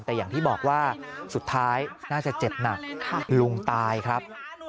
แต่อย่างที่บอกว่าสุดท้ายน่าจะเจ็บหนักลุงตายครับ